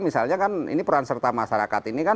misalnya kan ini peran serta masyarakat ini kan